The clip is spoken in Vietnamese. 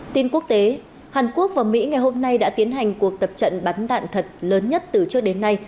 tin quốc tế hàn quốc và mỹ ngày hôm nay đã tiến hành cuộc tập trận bắn đạn thật lớn nhất từ trước đến nay